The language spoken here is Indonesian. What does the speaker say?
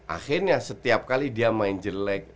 akhirnya setiap kali dia main jelek